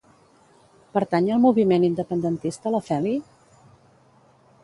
Pertany al moviment independentista la Feli?